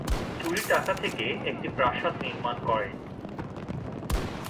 চুরির টাকা থেকে একটি প্রাসাদ নির্মাণ করে।